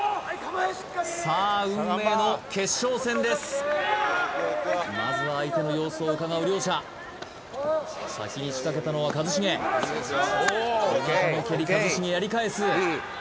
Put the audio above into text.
さあ運命の決勝戦ですまずは相手の様子をうかがう両者先に仕掛けたのは一茂尾形の蹴り一茂やり返す